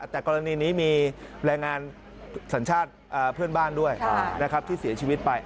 แต่กรณีนี้มีแรงงานสัญชาติเพื่อนบ้านด้วยที่เสียชีวิตไป